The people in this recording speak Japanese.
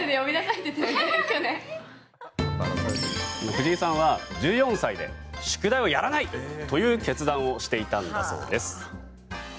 藤井さんは１４歳で宿題をやらないという決断をしていたんだそうです。